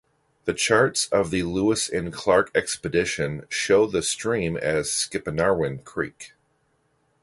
The charts of the Lewis and Clark Expedition show the stream as Skipanarwin Creek.